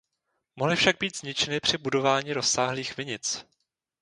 Mohly však být zničeny při budování rozsáhlých vinic.